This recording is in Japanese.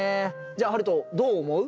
じゃあハルトどう思う？